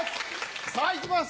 さぁ行きます